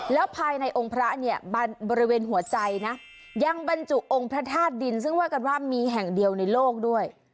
แล้วภายในองค์พระเนี่ยบริเวณหัวใจนะยังบรรจุองค์พระธาตุดินซึ่งว่ากันว่ามีแห่งเดียวในโลกด้วย